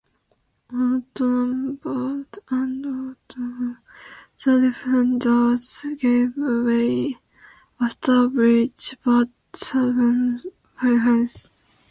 Outnumbered and outgunned, the defenders gave way after a brief, but stubborn, defense.